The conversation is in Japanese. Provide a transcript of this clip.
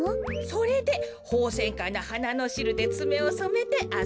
それでホウセンカのはなのしるでつめをそめてあそんだものよ。